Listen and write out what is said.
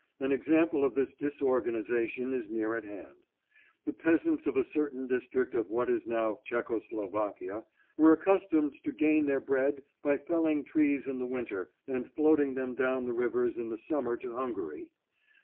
An example of this disorganization is near at hand. The peasants of a certain district of what is now Czecho Slovakia, were accustomed to gain their bread by felling trees in the winter and floating them down the rivers in the summer to Hungary.